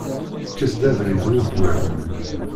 Kkes-d abrid ur wwiɣ.